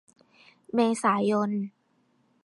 เมษายน